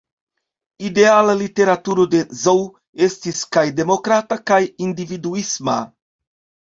Ideala literaturo de Zhou estis kaj demokrata kaj individuisma.